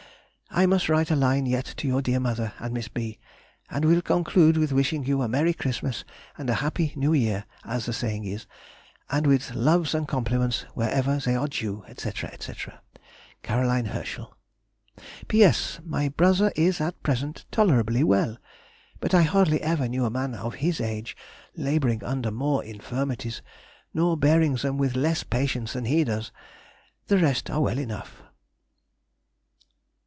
I must write a line yet to your dear mother and Miss B., and will conclude with wishing you a merry Christmas and a happy New year (as the saying is), and with loves and compliments wherever they are due, &c., &c., C. HERSCHEL. P.S.—My brother is at present tolerably well, but I hardly ever knew a man of his age labouring under more infirmities, nor bearing them with less patience than he does; the rest are well enough!